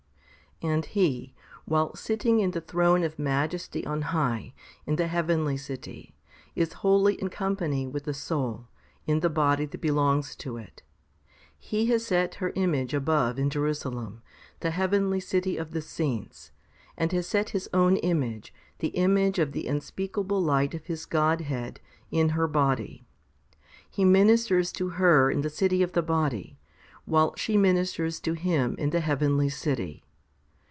4. And He, while sitting in the throne of majesty on high, in the heavenly city, is wholly in company with the soul, in the body that belongs to it. He has set her image above in Jerusalem, the heavenly city of the saints, and has set His own image, the image of the unspeakable light of His Godhead, in her body. He ministers to her in the city of the body, while she ministers to Him in the heavenly city.